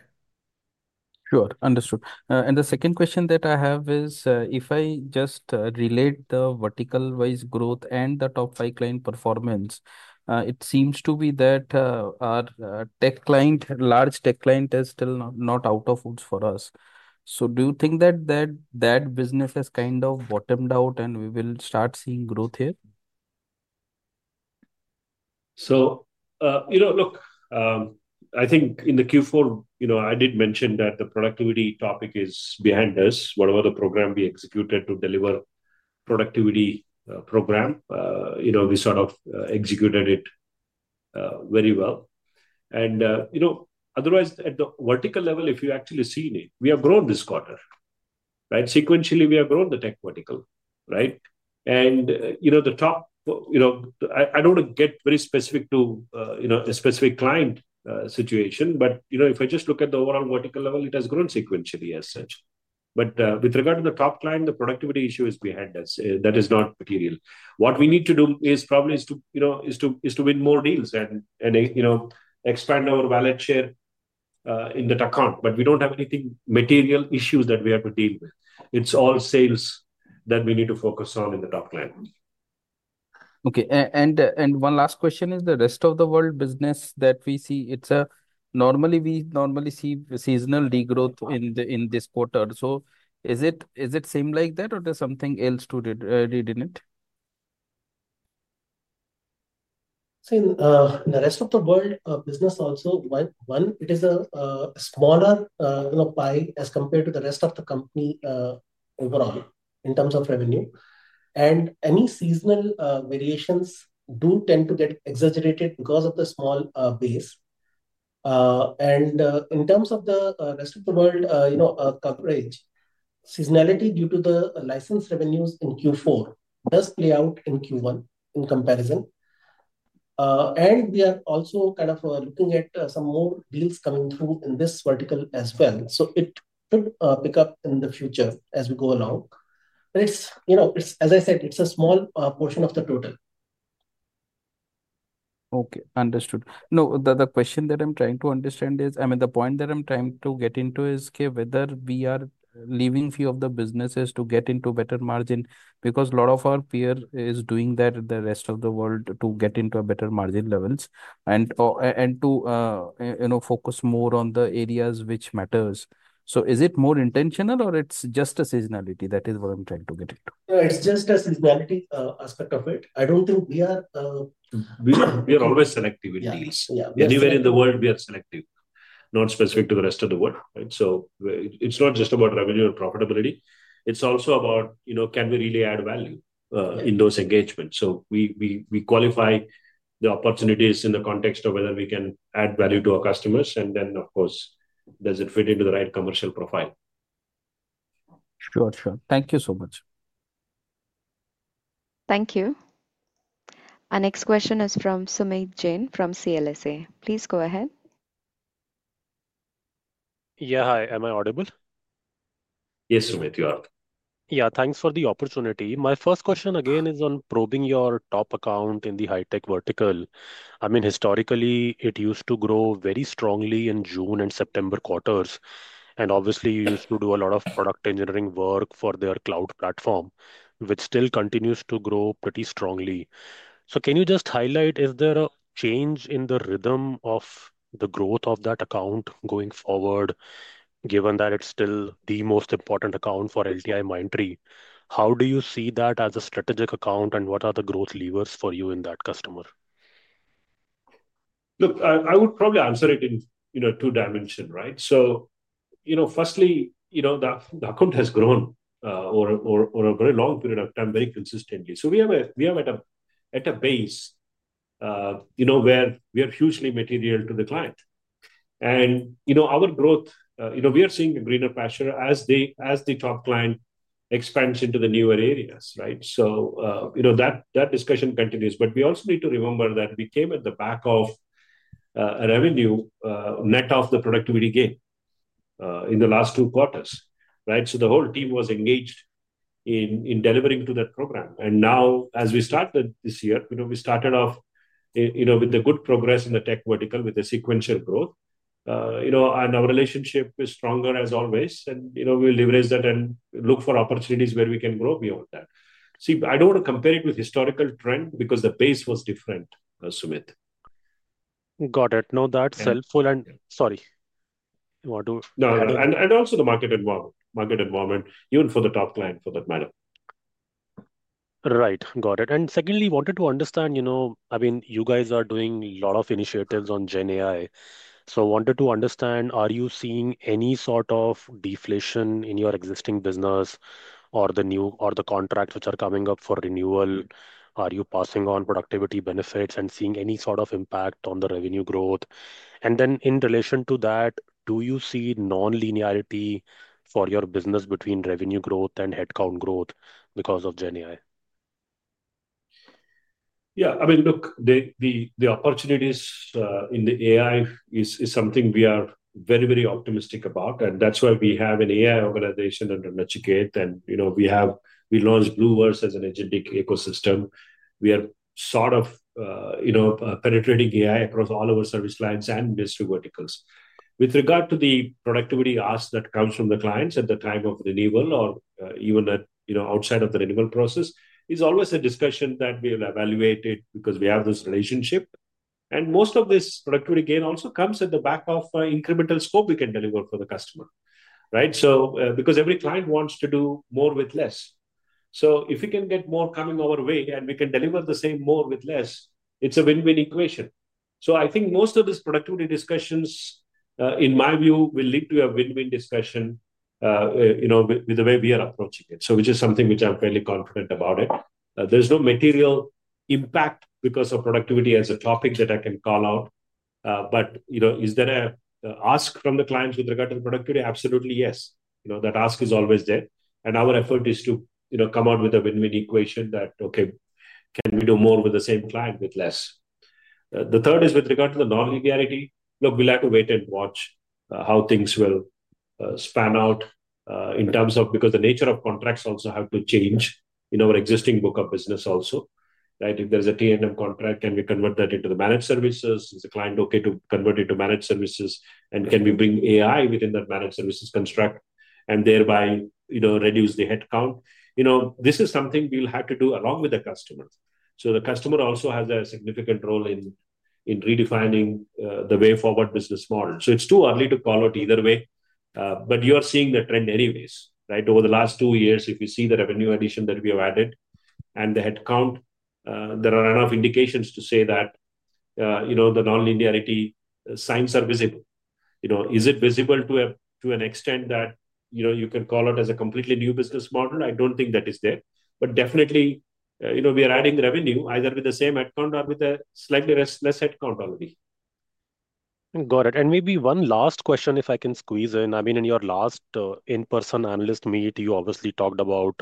Speaker 15: Sure. Understood. And the second question that I have is, if I just relate the vertical-wise growth and the top five client performance, it seems to be that. Our tech client, large tech client is still not out of the woods for us. So do you think that. That business has kind of bottomed out and we will start seeing growth here?
Speaker 3: So, look, I think in the Q4, I did mention that the productivity topic is behind us. Whatever the program we executed to deliver productivity program, we sort of executed it very well. And otherwise, at the vertical level, if you actually seen it, we have grown this quarter, right? Sequentially, we have grown the tech vertical, right? And the top, I don't want to get very specific to a specific client situation, but if I just look at the overall vertical level, it has grown sequentially as such. But with regard to the top client, the productivity issue is behind us. That is not material. What we need to do is probably to win more deals and expand our value chain in that account. But we don't have anything material issues that we have to deal with. It's all sales that we need to focus on in the top client.
Speaker 15: Okay. And one last question is the rest of the world business that we see. Normally, we see seasonal degrowth in this quarter. So is it same like that or there's something else to read in it?
Speaker 4: So in the rest of the world business also, one, it is a smaller pie as compared to the rest of the company overall in terms of revenue. And any seasonal variations do tend to get exaggerated because of the small base. And in terms of the rest of the world coverage, seasonality due to the license revenues in Q4 does play out in Q1 in comparison. And we are also kind of looking at some more deals coming through in this vertical as well. So it could pick up in the future as we go along. But as I said, it's a small portion of the total.
Speaker 15: Okay. Understood. No, the question that I'm trying to understand is, I mean, the point that I'm trying to get into is whether we are leaving a few of the businesses to get into better margin because a lot of our peers is doing that in the rest of the world to get into better margin levels and to focus more on the areas which matters. So is it more intentional or it's just a seasonality? That is what I'm trying to get into.
Speaker 4: It's just a seasonality aspect of it. I don't think we are.
Speaker 3: We are always selective in deals. Anywhere in the world, we are selective, not specific to the rest of the world, right? So it's not just about revenue or profitability. It's also about can we really add value in those engagements? So we qualify the opportunities in the context of whether we can add value to our customers, and then, of course, does it fit into the right commercial profile?
Speaker 15: Sure, sure. Thank you so much.
Speaker 1: Thank you. Our next question is from Sumeet Jain from CLSA. Please go ahead.
Speaker 16: Yeah, hi. Am I audible?
Speaker 3: Yes, Sumeet, you are.
Speaker 16: Yeah, thanks for the opportunity. My first question again is on probing your top account in the high-tech vertical. I mean, historically, it used to grow very strongly in June and September quarters, and obviously, you used to do a lot of product engineering work for their cloud platform, which still continues to grow pretty strongly, so can you just highlight, is there a change in the rhythm of the growth of that account going forward, given that it's still the most important account for LTIMindtree? How do you see that as a strategic account, and what are the growth levers for you in that customer?
Speaker 3: Look, I would probably answer it in two dimensions, right? So. Firstly. The account has grown over a very long period of time very consistently. So we are at a base where we are hugely material to the client. And our growth, we are seeing a greener pasture as the top client expands into the newer areas, right? So. That discussion continues. But we also need to remember that we came at the back of a revenue net of the productivity gain in the last two quarters, right? So the whole team was engaged in delivering to that program. And now, as we started this year, we started off with the good progress in the tech vertical with the sequential growth. And our relationship is stronger as always. And we will leverage that and look for opportunities where we can grow beyond that. See, I don't want to compare it with historical trend because the base was different, Sumeet.
Speaker 16: Got it. No, that's helpful. And sorry. You want to.
Speaker 3: No, and also the market environment. Market environment, even for the top client for that matter.
Speaker 16: Right. Got it. And secondly, wanted to understand, I mean, you guys are doing a lot of initiatives on GenAI. So wanted to understand, are you seeing any sort of deflation in your existing business? Or the new or the contracts which are coming up for renewal? Are you passing on productivity benefits and seeing any sort of impact on the revenue growth? And then in relation to that, do you see non-linearity for your business between revenue growth and headcount growth because of GenAI?
Speaker 3: Yeah. I mean, look, the opportunities in the AI is something we are very, very optimistic about. And that's why we have an AI organization under Nachiket. And we launched BlueVerse as an agentic ecosystem. We are sort of penetrating AI across all of our service lines and industry verticals. With regard to the productivity ask that comes from the clients at the time of renewal or even outside of the renewal process, it's always a discussion that we will evaluate it because we have this relationship. And most of this productivity gain also comes at the back of incremental scope we can deliver for the customer, right? Because every client wants to do more with less. So if we can get more coming our way and we can deliver the same more with less, it's a win-win equation. So I think most of these productivity discussions, in my view, will lead to a win-win discussion. With the way we are approaching it, which is something which I'm fairly confident about. There's no material impact because of productivity as a topic that I can call out. But is there an ask from the clients with regard to the productivity? Absolutely, yes. That ask is always there. And our effort is to come out with a win-win equation that, okay, can we do more with the same client with less? The third is with regard to the non-linearity. Look, we'll have to wait and watch how things will pan out in terms of because the nature of contracts also have to change in our existing book of business also, right? If there's a T&M contract, can we convert that into the managed services? Is the client okay to convert into managed services? And can we bring AI within that managed services construct and thereby reduce the headcount? This is something we'll have to do along with the customer. So the customer also has a significant role in redefining the way forward business model. So it's too early to call it either way. But you are seeing the trend anyways, right? Over the last two years, if you see the revenue addition that we have added and the headcount, there are enough indications to say that the non-linearity signs are visible. Is it visible to an extent that you can call it as a completely new business model? I don't think that is there. But definitely we are adding revenue either with the same headcount or with a slightly less headcount already.
Speaker 16: Got it. And maybe one last question if I can squeeze in. I mean, in your last in-person analyst meet, you obviously talked about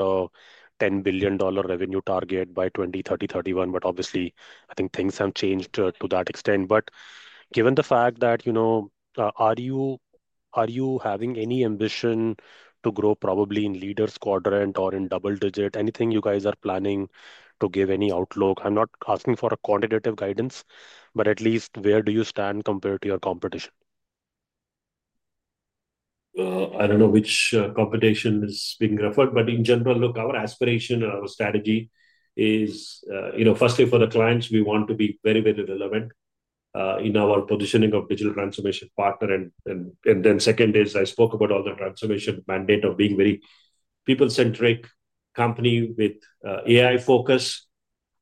Speaker 16: $10 billion revenue target by 2031, but obviously, I think things have changed to that extent. But given the fact that, are you having any ambition to grow probably in leaders' quadrant or in double digit, anything you guys are planning to give any outlook? I'm not asking for quantitative guidance, but at least where do you stand compared to your competition?
Speaker 3: I don't know which competition is being referred, but in general, look, our aspiration or our strategy is firstly, for the clients, we want to be very, very relevant in our positioning of digital transformation partner, and then second is I spoke about all the transformation mandate of being a very people-centric company with AI focus,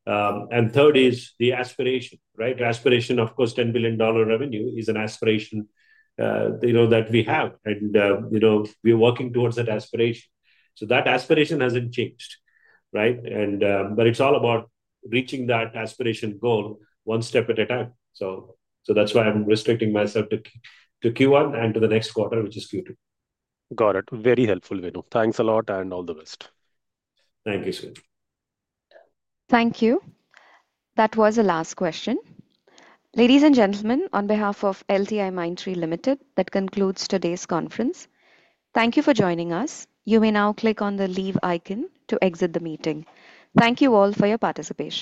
Speaker 3: and third is the aspiration, right? Aspiration, of course, $10 billion revenue is an aspiration that we have, and we are working towards that aspiration, so that aspiration hasn't changed, right, but it's all about reaching that aspiration goal one step at a time, so that's why I'm restricting myself to Q1 and to the next quarter, which is Q2.
Speaker 16: Got it. Very helpful, Venu. Thanks a lot and all the best.
Speaker 3: Thank you, Sumeet.
Speaker 1: Thank you. That was the last question. Ladies and gentlemen, on behalf of LTIMindtree Limited, that concludes today's conference. Thank you for joining us. You may now click on the leave icon to exit the meeting. Thank you all for your participation.